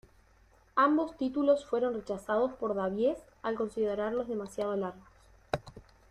Ambos títulos fueron rechazados por Davies al considerarlos demasiado largos.